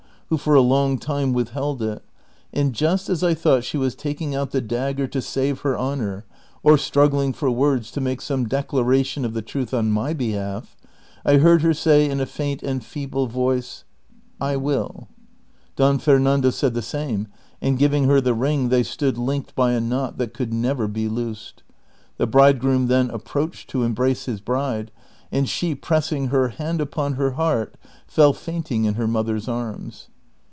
who for a long time withheld it; and just as I thouglit she was taking out the dagger to save her honor, or struggling for words to make some declaration of the truth on my behalf, I heard her say in a faint and feeble voice, " I will :" Don Fernando said the same, and giving her the ring they stood linked by a knot that could never be loosed The bridegroom then approached to embrace his hv\Ae ; and she, i^ress ing her hand ui)on her heart, fell fainting in her mother's arms.